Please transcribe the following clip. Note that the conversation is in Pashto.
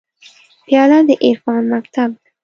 پیاله د عرفان مکتب ده.